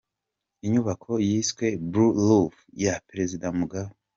Inyubako yiswe Blue Roof ya perezida Mugabe